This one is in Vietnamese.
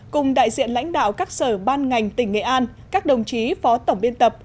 cùng đại diện lãnh đạo các sở ban ngành tỉnh nghệ an các đồng chí phó tổng biên tập